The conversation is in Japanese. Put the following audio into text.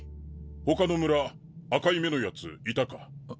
ほかの村赤い目のヤツいたか？